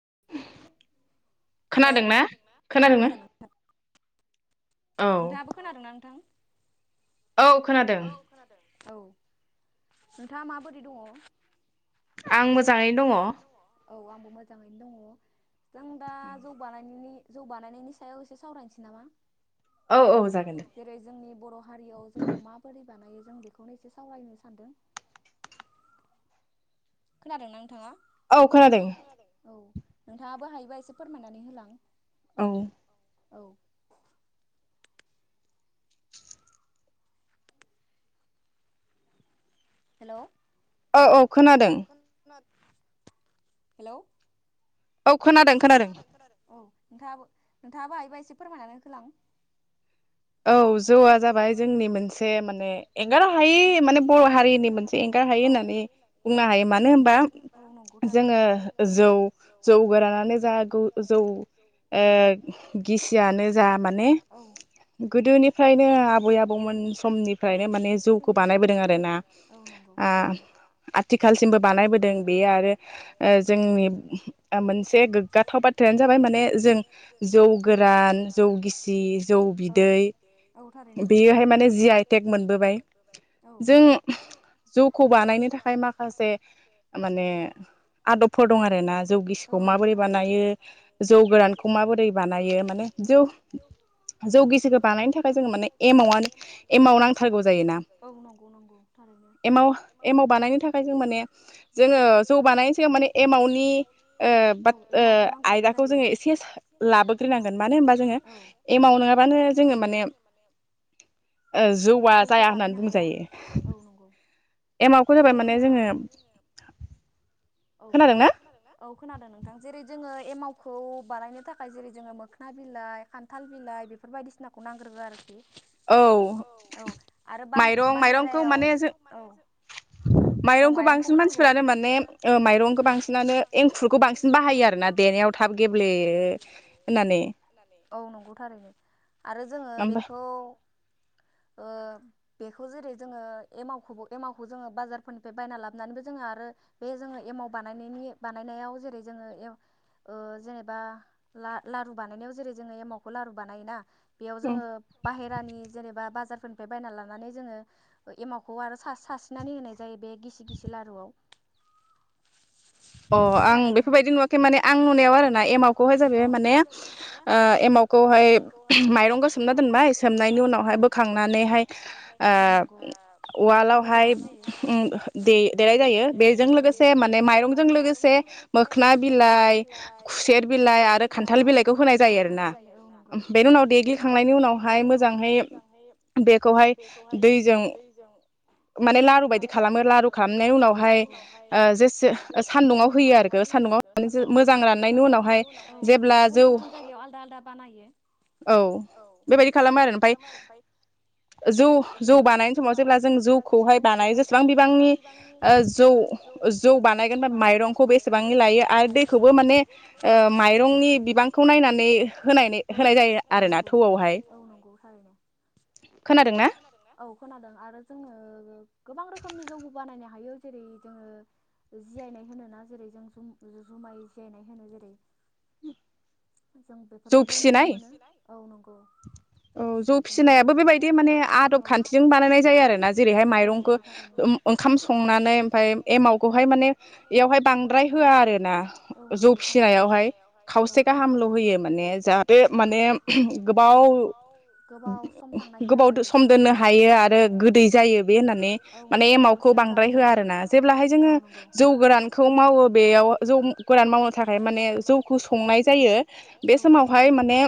[inaudible] Hello औ खोनादों नोंथां। नोंथाङाबो खोनादोंना नोंथां? औ खोनादों औ। नोंथाङा माबोरै दङ? औ आंबो मोजाङैनो दङ जों दा जौ बानायनायनि जौ बानायनायनि सायाव एसे सावरायनोसै नामा। औ औ जागोन दे। हारियाव जोंखौ माबोरै बानायो जों बेखौनो एसे सावरायनो सानदों। खोनादोंना नोंथाङा। औ खोनादों औ। नोंथाङाबो हायोबा एसे फोरमायनानै होलां। औ। औ। हेलौ। औ औ खोनादों। हेलौ। औ खोनादों खोनादों। नोंथाङो नोंथाङाबो हायोबा एसे फोरमायनानै होलां। औ जौआ जाबाय जोंनि मोनसे माने एंगार हायि माने बर' हारिनि मोनसे एंगार हायै होननानै बुंनो हायो मानो होनबा जोङो जौ जौ गोरानानो जा जौ ओ गिसियानो जा माने गोदोनिफ्रायनो आबै आबौमोन समनिफ्रायनो माने जौखौ बानायबोदों आरोना आ आथिखालसिमबो बानायबोदों बेयो आरो ओ जोंनि मोनसे गोग्गाथाव बाथ्रायानो जाबाय माने जों जौ गोरान जौ गिसि जौ बि बेयोहाय माने जि आइटेक मोनबोबाय जों जौखौ बानायनो थाखाय माखासे माने आदबफोर दं आरोना जौ गिसिखौ माबोरै बानायो जौ गोरानखौ माबोरै बानायो माने जौ जौ गिसि बानायनो थाखाय जों माने एमावा नो एमाव नांथारगौ जायोना एमाव एमाव बानायनो थाखाय जों माने जोंङो जौ बानायनि सिगां माने एमावनि ओ बाथ आयदाखौ जोंङो एसे लाबोग्रोनांगोन मानो होनबा जोंङो एमाव नंङाबानो जोंङो माने जौवा जाया होननानै बुंजायो। एमावखौ जाबाय माने जोंङो औ खोनादों औ खोनादों नोंथां जेरै जोंङो एमावखौ बानायनो थाखाय जेरै जोंङो मोखोना बिलाइ खान्थाल बिलाइ बेफोर बायदिसिनाखौ नांग्रोगोन आरोखि औ माइरं माइरंखौ माने जों माइरंखौ बांसिन मानसिफोरानो माने ओ माइरंखौ बांसिनानो एंखुरखौ बांसिन बाहायो आरोना देनायाव थाब गेब्लेयो होननानै। औ नंगौ थारैनो। आरो जोंङो बेखौ ओ बेखौ जेरै जोंङो एमावखौबो एमावखौ जोंङो बाजारफोरनिफ्राय बायना लाबोनानैबो जोंङो आरो बे जोंङो एमाव बानायनायनि बानायनायाव जेरै जोंङो जेनेबा ला-लारु बानायनायाव जेरै जोंङो एमावखौ लारु बानायोना बेयाव जोंङो बाहेरानि जेनेबा बाजार फोरनिफ्राय बायनानै लानानै जोंङो एमावखौ आरो सा-सास स्रिनानै होनाय जायो बे गिसि गिसि लारुआव अ आं बेफोरबायदि नुवा खै माने आं नुनायाव आरो ना एमाव खहायजा बे माने ओ एमावखौहाय मायरंखौ सोमना दोनबाय सोमनायनि उनावहाय बोखांनानैहाय ओ उवालावहाय उम देनाय जायो। बेजों लोगोसे माने मायरं ओं लोगोसे मोखोना बिलाइ खुसेर बिलाइ आरो खान्थाल बिलाइखौ होनाय जायो आरोना। बेनि उनाव देग्लिखांनायनि उनावहाय मोजांङै बेखौहाय दैजों माने लारु बायदि खालामो लारु खालामनायनि उनावहाय जेसे ओ सान्दुंङाव होयो आरो सान्दुंङाव मोजां राननायनि उनाव नाय नि उनाव हाय गुबन गुबन जायगायाव आलादा बानायो औ औ बेबायदि खालामो आरो जौ बानायनाय समाव जेब्ला जों जौखौहाय बानाय जसेबां बिबांनि ओ जौ माइरंखौ बेसेबांनि लायो आरो दैखौबो माने नि ओ मायरंनि बिबांखौ नायनै [unintelligible] औ नंगौ थारैनो। खोनादोंना? औ खोनादों आरो जोंङो गोबां रोखोमनि जौबो बानायनो हा हायो जेरै जोंङो जियायनाय होनो ना जेरै जों जुमाय जियायनाय होनो जेरै [unintelligible] जों बेफोरखौबो नुनो मोनो औ नंगौ। औ जौ फिसिनायाबो बेबायदि माने आदब खान्थिजों बानायनाय जायो आरो ना जेरैहाय माइरंखौ ओंखाम संनानै ओमफाय एमावखौहाय माने ब इयावहाय बांद्राय होआ आरो ना जौ फि गायावहाय खावसे गाहामल' होयो माने जाहाथ बे माने गोबाव गोबाव दो सम दोननो हायो आरो गोदै जायो बे होननानै माने एमावखौ बांद्राय होआ आरोना जेब्लाहाय जोंङो जौ गोरानखौ मावो बेयाव जौ गोरान मावनो थाखाय माने जौखौ संनाय जायो बे समावहाय माने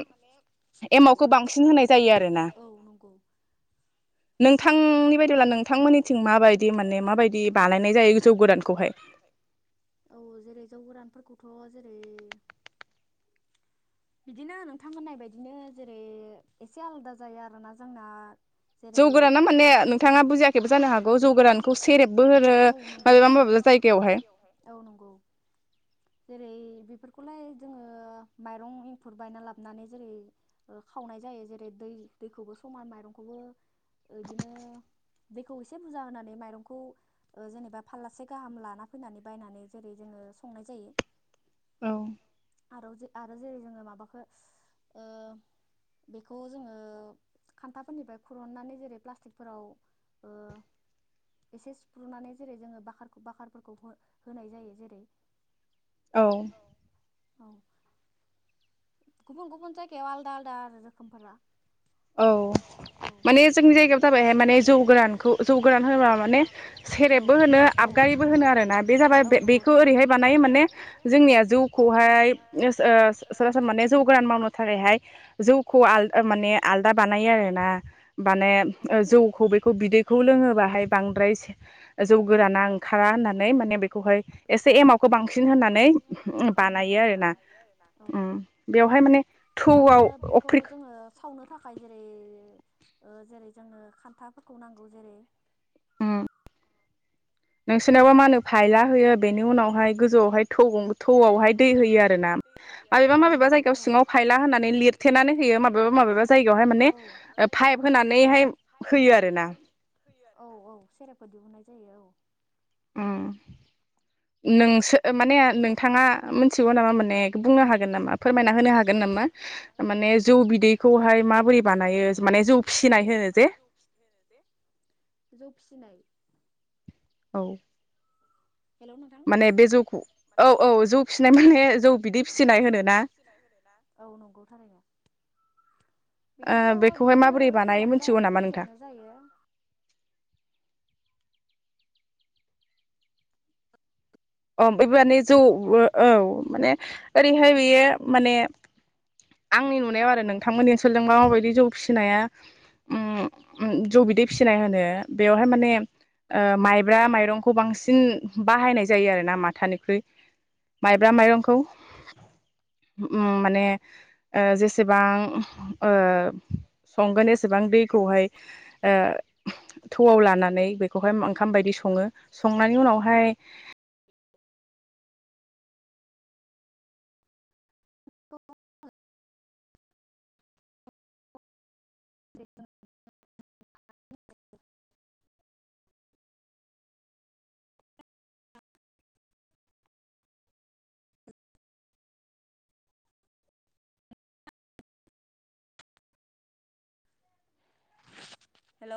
एमावखौ बां सिन होनाय जायो आरोना औ नंगौ नोंथांनि बायदिब्ला नोंथांमोननिथिं माबायदि माने माबायदि बानायनाय जायो जौ गोरानखौहाय? औ जेरै जौ गोरानफोरखौ अ जेरै बिदिनो नोंथां होननाय बायदिनो जेरै एसे आलदा जायो आरोना जोंना जेरै जौ गोजाना माने नोंथांङा बुजिङाखैबो जानो हागौ जौ गोरानखौ सेरेब बो होनो औ नंगौ थारैनो औ नंगौ। जेरै बेफोरखौलाय जोङो माइरं एंखुर बायना लाबोनानै जेरै खावनाय जायो जेरै दै दैखौबो समान माइरंखौबो ओदिनो दैखौ एसे बुरजा होनानै माइरंखौ जेनेबा फाललासे गाहाम लाना फैनानै बायनानै जेरै जोङो संनाय जायो। औ आराव आरो जेरै जोङो माबाखो ओ बेखौ जोङो खान्थाफोरनिफ्राय खुरुननानै जेरै प्लास्टिकफोराव ओ एसे सुफ्रुनानै जेरै जोङो बाखार बाखारफोरखौ होनाय जायो जेरै औ औ गुबुन गुबुन जायगायाव आलदा आलदा आरो रोखोमफोरा। औ माने जोंनि जायगायाव जाबायहाय माने जौ गोरानखौ जौ गोरान होनोबा माने सेरेबबो होनो आबगारिबो होनो आरोना बे जाबाय बे-बेखौ ओरैहाय बानायो माने जोंनिया जौखौहाय ओस-ओ सरा माने जौ गोरान मावनो थाखायहाय जौ खौ आल-ओ माने आलदा बानायो आरोना माने जौखौ बेखौ बिदैखौ लोङोबाहाय बांद्राय जौ गोराना ओंखारा होननानै माने बे खौहाय एसे एमावखौ बांसिन होनानै बानायो आरोना उम बेवहाय माने थौआव अफ्रि थाखाय जेरै ओ जेरै जोंनो खान्थाफोरखौ नांगौ जेरै उम नों सिनावबा मा होनो फायला होयो बेनि उनावहाय गोजौआवहाय थौ थौआवहाय दै होयो आरोना माबेबा माबेबा जायगायाव सिङाव फायला होनानै लिरथेनानै होयो माबेबा माबेबा जायगायावहाय माने ओ पाइप होनानैहाय होयो आरोना। औ औ सेरेपफोर दिहुननाय जायो औ। उम नोंसो ओ माने नोंथाङा मिनथिगौ नामा माने बुंनो हागोन नामा फोरमायना होनो हागोन नामा माने जौ बिदैखौहाय माबोरै बानायो माने जौ फिसिनाय होनो जे? औ हेल नोंथां [unintelligible] औ नंगौ थारैनो बेखौथ बिदिनो एखेयानो जा एखेयानो जायो। अ बै माने जौ औ माने ओरैहाय बेयो माने आंनि नुनायाव आरो नोंथांमोननि ओनसोलजोंबा माबायदि जौ फिसिनाया उम उम जौ बिदै फिसिनाय होनो बेवहाय माने ओ माइब्रा माइरंखौ बांसिन बाहायनाय जायो आरो ना माथानिख्रुइ माइब्रा माइरंखौ उम माने ओ जेसेबां ओ संगोन एसेबां दैखौहाय ओ थौआव लानानै बेखौहाय ओंखाम बायदि सङो संनायनि उनावहाय